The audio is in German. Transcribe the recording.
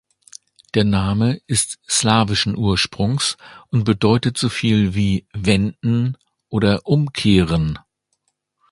Der Name ist slawischen Ursprungs und bedeutet so viel wie „Wenden“ oder „Umkehren“.